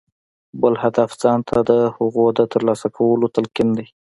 بل هدف ځان ته د هغو د ترلاسه کولو تلقين دی.